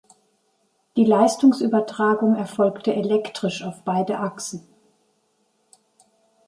Die Leistungsübertragung erfolgte elektrisch auf beide Achsen.